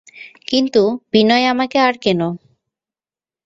কিন্তু, বিনয়, আমাকে আর কেন?